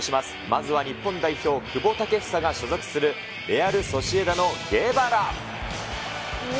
まずは日本代表、久保建英が所属するレアル・ソシエダのゲバラ。